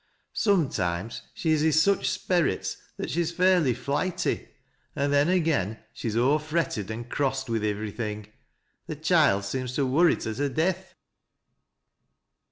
" Sojnetimes she is i' sicb sperrits that she's fairly flighty, an' then agen, she's aw fretted an' crossed with ivverything. Th' choild seems to worrit her to death."